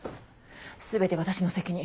全て私の責任。